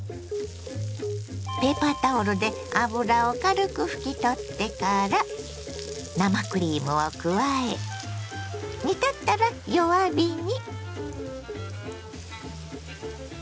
ペーパータオルで脂を軽く拭き取ってから生クリームを加え煮立ったら弱火に。